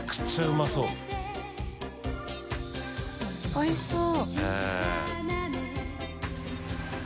おいしそう。